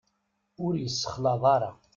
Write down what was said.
Ur yessexlaḍ ara.